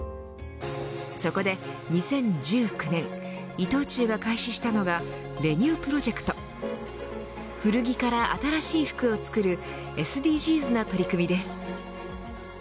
そこで２０１９年伊藤忠が開始したのがＲＥＮＵＰｒｏｊｅｃｔ古着から新しい服を作るＳＤＧｓな取り組みです。